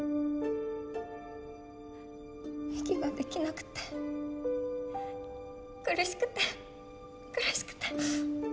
息ができなくて苦しくて苦しくて。